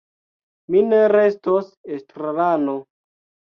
Mi ne restos estrarano.